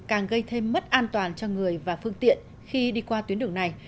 càng gây thêm mất an toàn cho người và phương tiện khi đi qua tuyến đường này